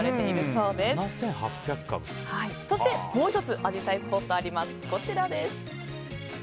そして、もう１つアジサイスポットがあります。